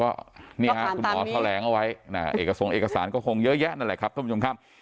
ก็นี่ค่ะคุณหมอแถวงอินทรานะเอกระส่งเอกสารก็คงเยอะแยะนั่นแหละครับคุณผู้ชมครับ